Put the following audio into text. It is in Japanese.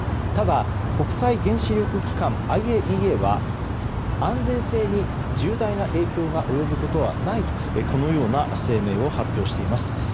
ただし国際原子力機関・ＩＡＥＡは安全性に重大な影響が及ぶことはないとこのような声明を発表しています。